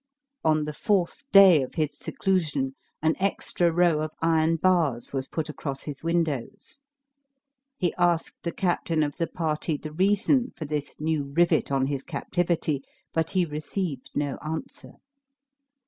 On the fourth day of his seclusion an extra row of iron bars was put across his windows. He asked the captain of the party the reason for this new rivet on his captivity; but he received no answer.